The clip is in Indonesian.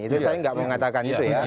itu saya nggak mengatakan itu ya